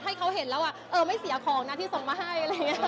ให้เขาเห็นแล้วว่าเออไม่เสียของนะที่ส่งมาให้